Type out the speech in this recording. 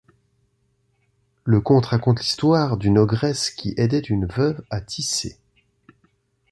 Le conte raconte l’histoire d’une ogresse qui aidait une veuve à tisser.